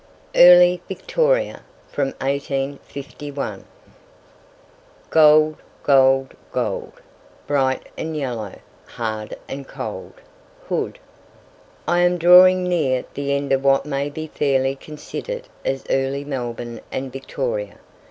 EARLY VICTORIA, FROM 1851. "Gold! gold! gold! Bright and yellow, hard and cold." Hood. I am drawing near the end of what may be fairly considered as "Early Melbourne and Victoria."